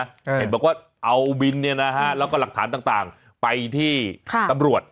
เห็นบอกว่าเอาบินเนี่ยนะฮะแล้วก็หลักฐานต่างไปที่ตำรวจ